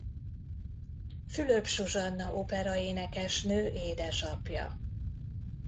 Fülöp Zsuzsanna opera-énekesnő édesapja.